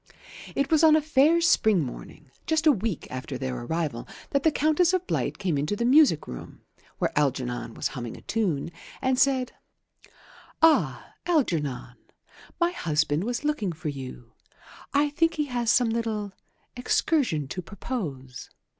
It was on a fair spring morning, just a week after their arrival, that the Countess of Blight came into the music room (where Algernon was humming a tune) and said, "Ah, Algernon, my husband was looking for you. I think he has some little excursion to propose.